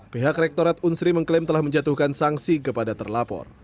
pihak rektorat unsri mengklaim telah menjatuhkan sanksi kepada terlapor